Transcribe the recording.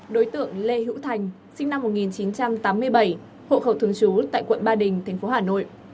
đối tượng lê hữu thành sinh năm một nghìn chín trăm tám mươi bảy hộ khẩu thường trú tại quận ba đình tp hà nội